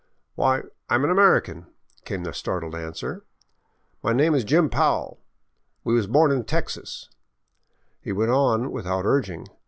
" Why, I am an American 1 " came the startling answer. " My name is Jim Powell. We was born in Texas," he went on without urging.